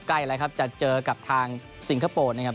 ใกล้แล้วครับจะเจอกับทางสิงคโปร์นะครับ